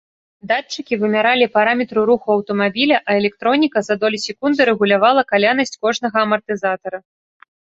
Датчыкі вымяралі параметры руху аўтамабіля, а электроніка за долі секунды рэгулявала калянасць кожнага амартызатара.